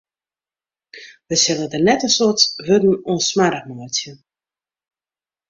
Wy sille der net in soad wurden oan smoarch meitsje.